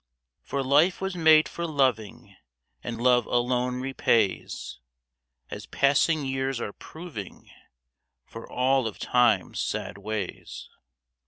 For life was made for loving, and love alone repays, As passing years are proving, for all of Time's sad ways.